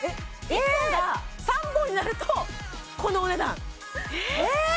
１本が３本になるとこのお値段え！？